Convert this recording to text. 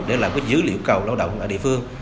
để có dữ liệu cầu lao động ở địa phương